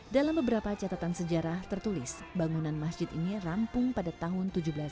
dalam beberapa catatan sejarah tertulis bangunan masjid ini rampung pada tahun seribu tujuh ratus sembilan puluh